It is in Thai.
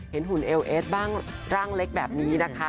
หุ่นเอลเอสบ้างร่างเล็กแบบนี้นะคะ